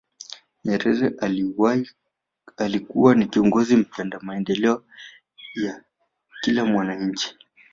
nyerere alikuwa ni kiongozi mpenda maendeleo ya kila mwananchi